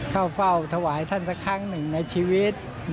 เข้าเฝ้าถวายท่านสักครั้งหนึ่งในชีวิต